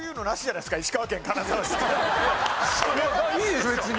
いいでしょ別に。